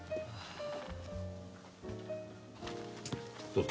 どうぞ。